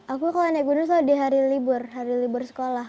aku kalau nenek gunung selalu di hari libur hari libur sekolah